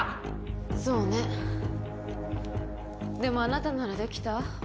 そうねでもあなたならできた？